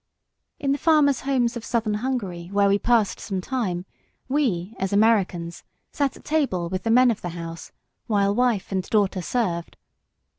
In the farmers' homes of southern Hungary where we passed some time, we, as Americans, sat at table with the men of the house, while wife and daughter served.